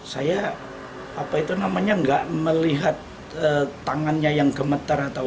saya apa itu namanya nggak melihat tangannya yang gemetar atau apa